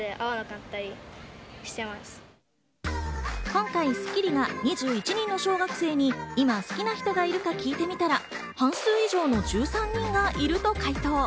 今回『スッキリ』が２１人の小学生に今、好きな人がいるか聞いてみたら、半数以上の１３人がいると回答。